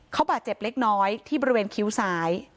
เขาบาดเจ็บเล็กน้อยที่บริเวณคิ้วซ้าย